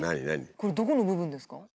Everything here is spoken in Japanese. これどこの部分ですか？